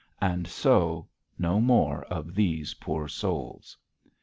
And so no more of these poor souls.